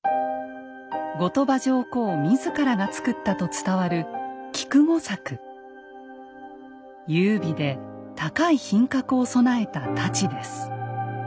後鳥羽上皇自らが作ったと伝わる優美で高い品格を備えた太刀です。